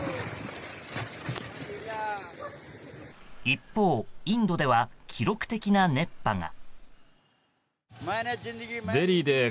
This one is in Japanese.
一方、インドでは記録的な熱波が。